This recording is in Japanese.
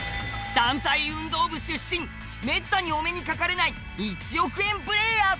団体運動部出身めったにお目にかかれない１億円プレーヤーと遭遇！